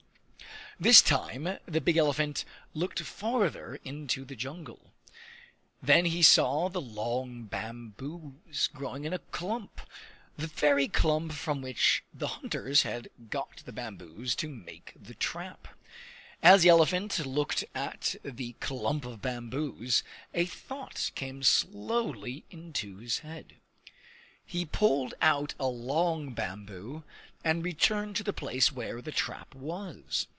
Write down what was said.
This time the big elephant looked farther into the jungle. Then he saw the long bamboos growing in a clump the very clump from which the hunters had got the bamboos to make the trap. As the elephant looked at the clump of bamboos, a thought came slowly into his head. He pulled out a long bamboo, and returned to the place where the trap was.